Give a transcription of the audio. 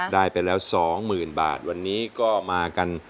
ได้ไปแล้ว๒๐๐๐บาทวันนี้ก็มากัน